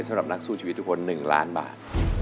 สำหรับนักสู้ชีวิตทุกคน๑ล้านบาท